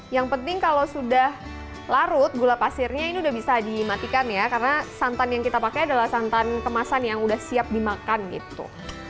yang penting kalau sudah larut gula pasirnya ini udah bisa dimatikan ya karena santan yang kita pakai adalah santan kemasan yang sudah siap dimakan gitu